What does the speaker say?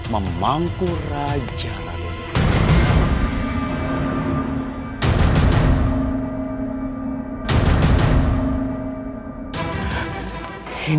memangku raja raden